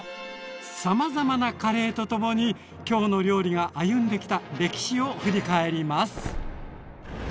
さまざまなカレーとともに「きょうの料理」が歩んできた歴史を振り返ります。